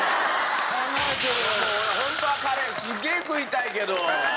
俺ホントはカレーすげえ食いたいけど。